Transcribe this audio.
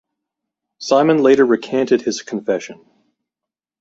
Simon later recanted his confession.